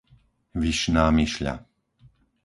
Vyšná Myšľa